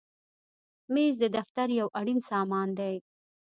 مېز د دفتر یو اړین سامان دی.